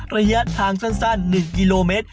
ระยะทางสั้น๑กิโลเมตร